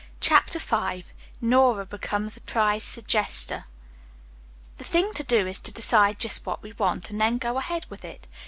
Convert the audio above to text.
CHAPTER V NORA BECOMES A PRIZE "SUGGESTER" "The thing to do is to decide just what we want, and then go ahead with it."